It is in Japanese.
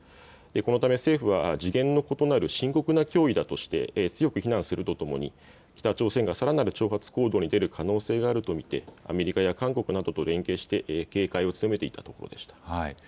このため政府は次元の異なる深刻な脅威だとして強く非難するとともに北朝鮮がさらなる挑発行動に出る可能性があると見てアメリカや韓国などと連携して警戒を強めていたところでした。